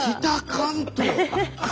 関東。